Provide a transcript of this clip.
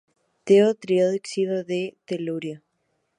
TeO, trióxido de telurio.